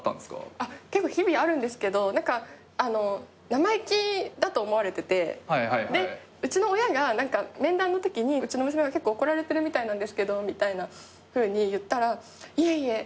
結構日々あるんですけど生意気だと思われててでうちの親が面談のときにうちの娘が結構怒られてるみたいなんですけどみたいなふうに言ったらいえいえ